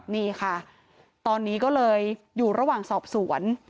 นี่ค่ะตอนนี้ก็เลยอยู่ระหว่างสอบสวน